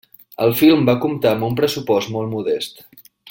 El film va comptar amb un pressupost molt modest.